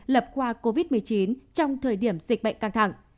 lập khoa covid một mươi chín trong thời điểm dịch bệnh căng thẳng